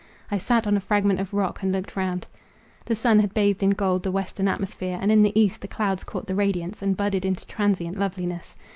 I sat on a fragment of rock, and looked round. The sun had bathed in gold the western atmosphere, and in the east the clouds caught the radiance, and budded into transient loveliness.